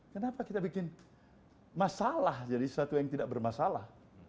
kenapa kita bikin masalah jadi sesuatu yang tidak bermasalah